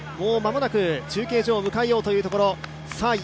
もう間もなく中継所を迎えようというところ。